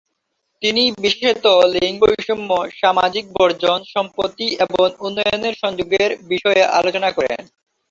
তিনি বিশেষত লিঙ্গ বৈষম্য, সামাজিক বর্জন, সম্পত্তি এবং উন্নয়নের সংযোগের বিষয়ে আলোচনা করেন।